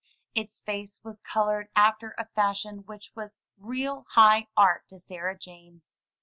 Its face was colored after a fashion which was real high art to Sarah Jane.